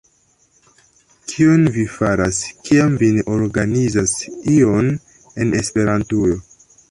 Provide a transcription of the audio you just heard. Kion vi faras, kiam vi ne organizas ion en Esperantujo?